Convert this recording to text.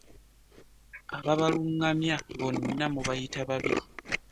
Ababaluŋŋamya bonna mubayita babi.